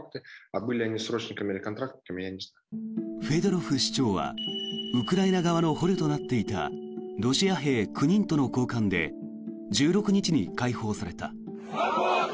フェドロフ市長はウクライナ側の捕虜となっていたロシア兵９人との交換で１６日に解放された。